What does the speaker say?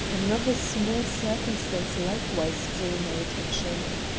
Another small circumstance likewise drew my attention.